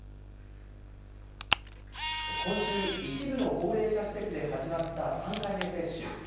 今週、一部の高齢者施設で始まった３回目接種。